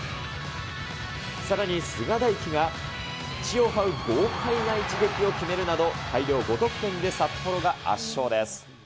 さらに菅大輝が、地をはう豪快な一撃を決めるなど、大量５得点で札幌が圧勝です。